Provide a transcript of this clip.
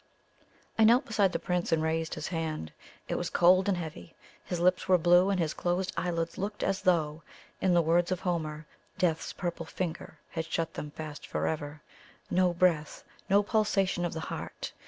I knelt beside the Prince and raised his hand. It was cold and heavy. His lips were blue, and his closed eyelids looked as though, in the words of Homer, "Death's purple finger" had shut them fast forever. No breath no pulsation of the heart.